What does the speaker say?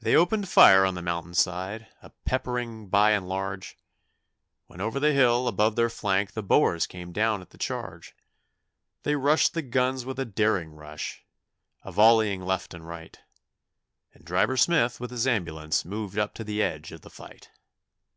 They opened fire on the mountain side, a peppering by and large, When over the hill above their flank the Boers came down at the charge; They rushed the guns with a daring rush, a volleying left and right, And Driver Smith with his ambulance moved up to the edge of the fight.